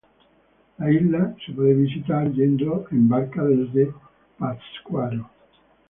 La isla se puede visitar yendo en barca desde Pátzcuaro.